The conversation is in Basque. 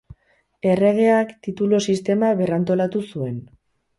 Erregeak, titulu sistema berrantolatu zuen.